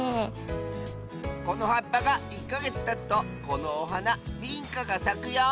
このはっぱが１かげつたつとこのおはなビンカがさくよ！